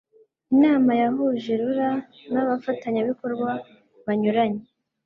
inama yahuje rura n abafatanyabikorwa banyuranye